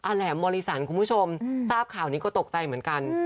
อแหลมมศคุณผู้ชมทราบข่าวตกใจเหมือนกัน